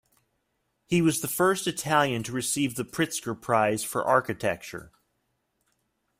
He was the first Italian to receive the Pritzker Prize for architecture.